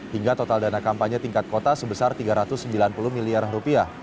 hingga total dana kampanye tingkat kota sebesar rp tiga ratus sembilan puluh miliar